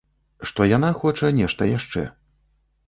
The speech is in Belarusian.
Што яна хоча нешта яшчэ.